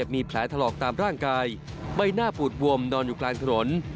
มีแผลถลอกตามร่างกายใบหน้าปูดบวมนอนอยู่กลางถนน